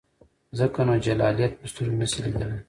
ځکه نو جلالیت په سترګو نسې لیدلای.